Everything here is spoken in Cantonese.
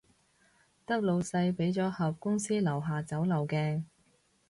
得老細畀咗盒公司樓下酒樓嘅